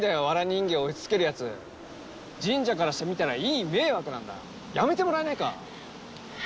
わら人形打ち付けるやつ神社からしてみたらいい迷惑なんだやめてもらえないか？